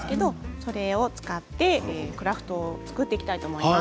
それを使ってクラフトを作っていきたいと思います。